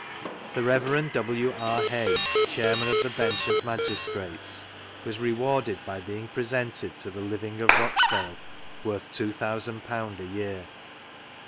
The Rev. W. R. Hay, Chairman <A the Bench of Magistrates, was rewarded by being presented to the living of Rochdale, worth ;£2,ooo a year.